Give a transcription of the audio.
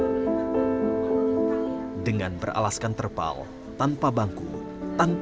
dia menimbulkan ilmu agama dengan beralaskan terpal tanpa bangku tanpa